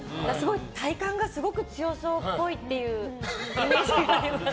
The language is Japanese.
体幹がすごく強そうっぽいというイメージがあります。